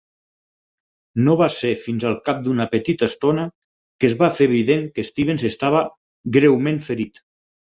No va ser fins al cap d'una petita estona que es va fer evident que Stevens estava greument ferit.